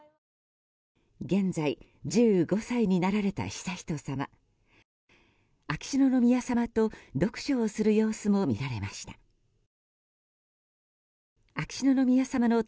現在１５歳になられた悠仁さま。